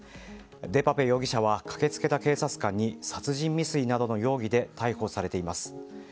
デパペ容疑者は駆けつけた警察官に殺人未遂などの容疑で逮捕されています。